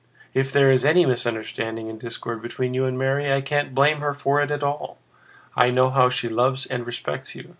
If there is any misunderstanding and discord between you and Mary, I can't blame her for it at all. I know how she loves and respects you.